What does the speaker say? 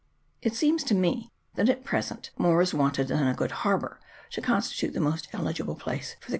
It seems to me that at present more is wanted than a good har bour to constitute the most eligible place for the CHAP.